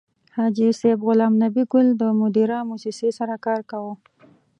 حاجي صیب غلام نبي ګل د مدیرا موسسې سره کار کاوه.